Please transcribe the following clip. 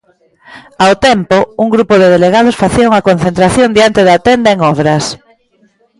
Ao tempo, un grupo de delegados facía unha concentración diante da tenda en obras.